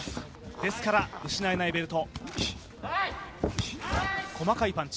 ですから失えないベルト。